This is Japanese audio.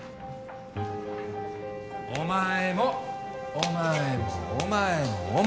お前もお前もお前もお前も。